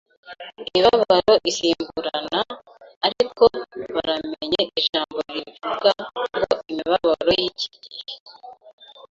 imibabaro isimburana ariko baramenye ijambo rivuga ngo imibabaro y’iki gihe